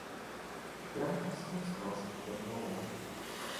"Blanka wstrząsnęła smutnie głową."